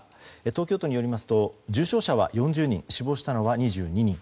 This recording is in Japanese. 東京都によりますと重症者は４０人死亡したのは２２人。